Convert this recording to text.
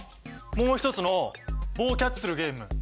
もう一つの棒をキャッチするゲーム